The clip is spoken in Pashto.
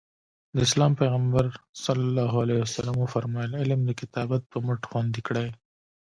د اسلام پیغمبر ص وفرمایل علم د کتابت په مټ خوندي کړئ.